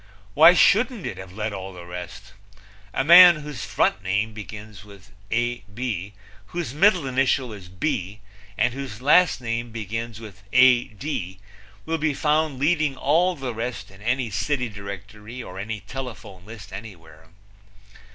Why shouldn't it have led all the rest? A man whose front name begins with Ab, whose middle initial is B, and whose last name begins with Ad will be found leading all the rest in any city directory or any telephone list anywhere.